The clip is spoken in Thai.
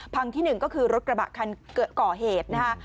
พังที่หนึ่งก็คือรถกระบะคันเกิดก่อเหตุนะคะ